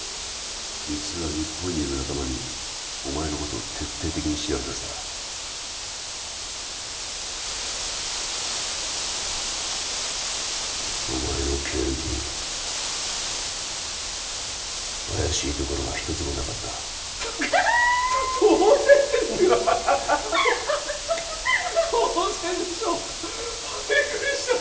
実は日本にいる仲間にお前のことを徹底的に調べさせたお前の経歴に怪しいところが一つもなかったあはは！と当然ですよ！ハハハ当然でしょうビックリした！